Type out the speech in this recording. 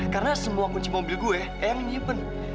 karena semua kunci mobil gue yang nyimpen